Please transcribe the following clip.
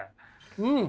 うん！